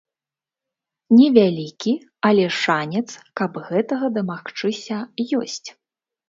Невялікі, але шанец, каб гэтага дамагчыся, ёсць.